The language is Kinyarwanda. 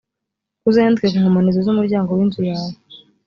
uzayandike ku nkomanizo z’umuryango w’inzu yawe,